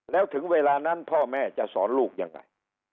แล้วถึงเวลานั้นพ่อแม่จะสอนลูกยังไง